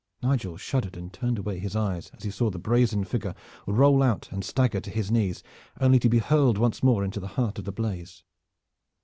Nigel shuddered and turned away his eyes as he saw the brazen figure roll out and stagger to his knees, only to be hurled once more into the heart of the blaze.